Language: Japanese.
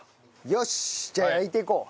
よしじゃあ焼いていこう。